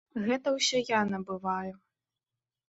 Гэта ўсё я набываю.